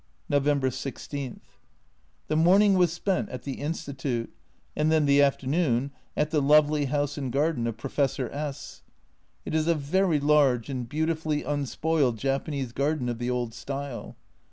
November 16. The morning was spent at the Institute, and then the afternoon at the lovely house and garden of Professor S . It is a very large and beautifully unspoiled Japanese garden of the old style.